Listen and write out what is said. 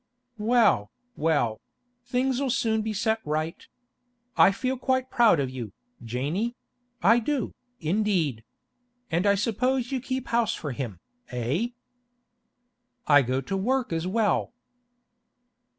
'Well, well; things'll soon be set right. I feel quite proud of you, Janey; I do, indeed. And I suppose you just keep house for him, eh?' 'I go to work as well.